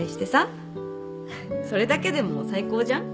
それだけでもう最高じゃん。